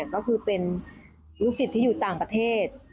ก็คือเป็นลูกศิษย์ที่อยู่ต่างประเทศ